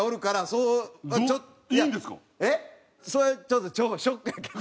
それちょっと。